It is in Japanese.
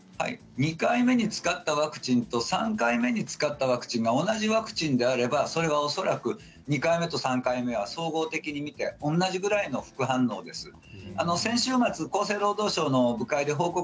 ２回目に使ったワクチンと３回目に使ったワクチンが同じワクチンであればそれは恐らく２回目と３回目は総合的に見て同じぐらいの副反応です。